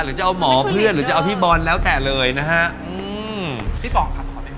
หรือจะเอาหมอเพื่อนหรือจะเอาพี่บอลแล้วแต่เลยนะฮะอืมพี่ป๋องครับขอเป็น